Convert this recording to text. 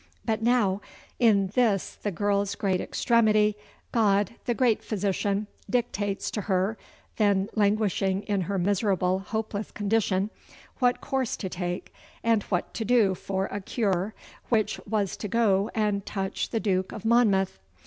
'But now, in this the girl's great extremity, God, the great physician, dictates to her, then languishing in her miserable, hopeless condition, what course to take and what to do for a cure, which was to go and touch the Duke of Monmouth.